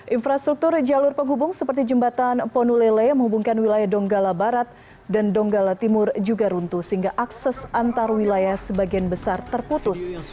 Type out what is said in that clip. infrastruktur jalur penghubung seperti jembatan ponulele yang menghubungkan wilayah donggala barat dan donggala timur juga runtuh sehingga akses antar wilayah sebagian besar terputus